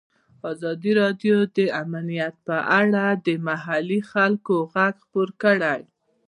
ازادي راډیو د امنیت په اړه د محلي خلکو غږ خپور کړی.